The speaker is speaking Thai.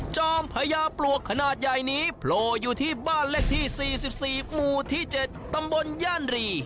จอมพญาปลวกขนาดใหญ่นี้โผล่อยู่ที่บ้านเลขที่๔๔หมู่ที่๗ตำบลย่านรี